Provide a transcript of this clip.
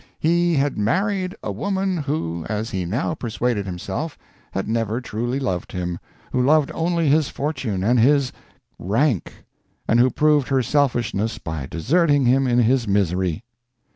"He had married a woman who, as he now persuaded himself, had never truly loved him, who loved only his fortune and his rank, and who proved her selfishness by deserting him in his misery."